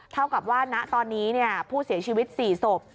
เท่ากับว่าณตอนนี้ผู้เสียชีวิต๔ศพ